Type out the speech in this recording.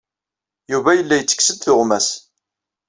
Yuba yella yettekkes-d tuɣmas.